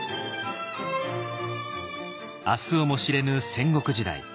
明日をも知れぬ戦国時代。